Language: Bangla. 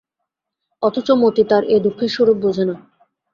অথচ মতি তার এ দুঃখের স্বরূপ বোঝে না।